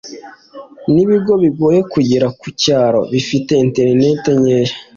nibigo bigoye kugera ku cyaro bafite interineti nkeya